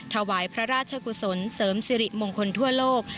ถวายพระราชกุศลเสริมสิริมงคลทั่วโลก